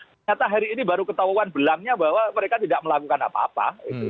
ternyata hari ini baru ketahuan belangnya bahwa mereka tidak melakukan apa apa